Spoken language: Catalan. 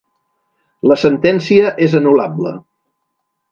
La sentència és anul·lable.